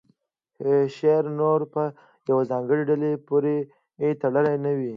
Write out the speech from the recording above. شعر نور په یوې ځانګړې ډلې پورې تړلی نه و